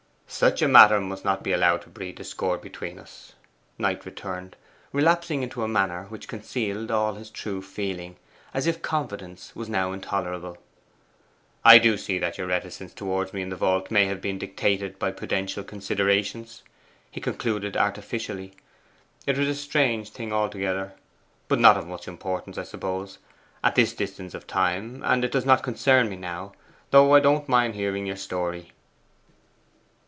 'Such a matter must not be allowed to breed discord between us,' Knight returned, relapsing into a manner which concealed all his true feeling, as if confidence now was intolerable. 'I do see that your reticence towards me in the vault may have been dictated by prudential considerations.' He concluded artificially, 'It was a strange thing altogether; but not of much importance, I suppose, at this distance of time; and it does not concern me now, though I don't mind hearing your story.